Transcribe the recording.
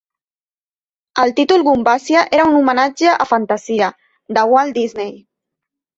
El títol "Gumbasia" era un homenatge a "Fantasia", de Walt Disney.